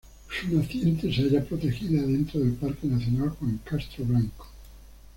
Su naciente se halla protegida dentro del parque nacional Juan Castro Blanco.